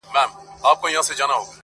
ستا خنداگاني مي ساتلي دي کرياب وخت ته.